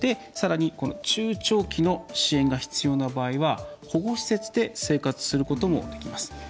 さらに、中長期の支援が必要な場合は、保護施設で生活することもできます。